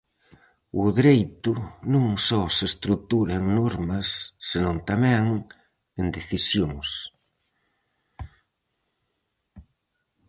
O dereito non só se estrutura en normas senón tamén en decisións.